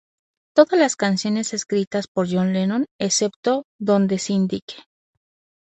Todas las canciones escritas por John Lennon excepto donde se indique.